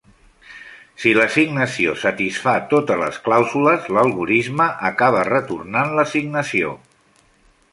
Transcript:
Si l'assignació satisfà totes les clàusules, l'algorisme acaba, retornant l'assignació.